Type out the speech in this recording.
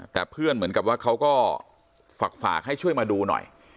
แต่เพื่อนเหมือนกับว่าเขาก็ฝากให้ช่วยมาดูหน่อย